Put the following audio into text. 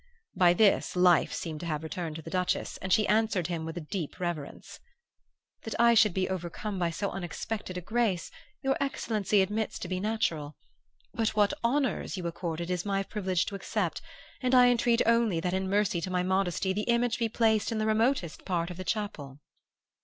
"By this, life seemed to have returned to the Duchess, and she answered him with a deep reverence. 'That I should be overcome by so unexpected a grace, your excellency admits to be natural; but what honors you accord it is my privilege to accept, and I entreat only that in mercy to my modesty the image be placed in the remotest part of the chapel.